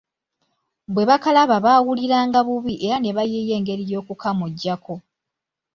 Bwe bakalaba baawulira nga bubi era ne bayiiya engeri y'okukamujjako.